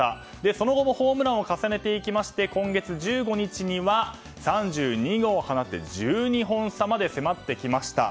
その後もホームランを重ねて今月１５日には３２号を放って１２本差まで迫ってきました。